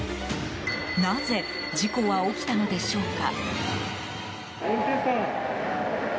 なぜ事故は起きたのでしょうか？